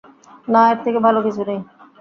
না, এর থেকে ভালো কিছু নেই।